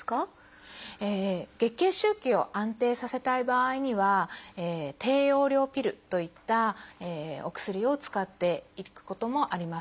月経周期を安定させたい場合には低用量ピルといったお薬を使っていくこともあります。